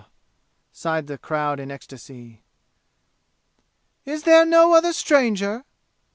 sighed the crowd in ecstasy. "Is there no other stranger?"